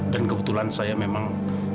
dan kebetulan saya memang